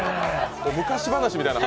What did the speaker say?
昔話みたいな話。